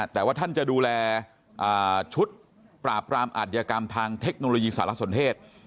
แต่ว่าท่านจะดูแลชุดปราปรามอาทยากรรมทางเทคโนโลยีศาสตร์ลักษณ์เสนอ